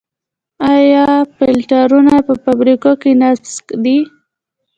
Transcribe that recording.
آیا فلټرونه په فابریکو کې نصب دي؟